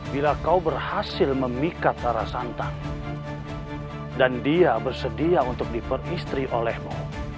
bila kau berhasil memikat tara santa dan dia bersedia untuk diperistri olehmu